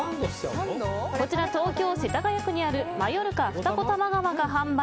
こちら、東京・世田谷区にあるマヨルカ二子玉川が販売。